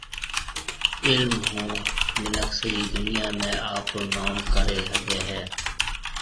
علم هون مِنک سجِي دُنيا ۾ آپرو نوم ڪريَ هگھيَََ هيَ۔